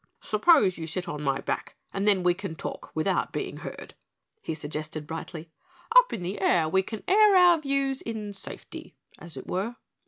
"Suppose you sit on my back and then we can talk without being heard," he suggested brightly. "Up in the air we can air our views in safety, as it were."